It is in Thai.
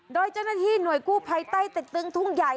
โดยเจ้าหน้าที่หน่วยกู้ภัยใต้เต็กตึงทุ่งใหญ่